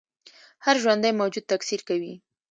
هر ژوندی موجود تکثیر کوي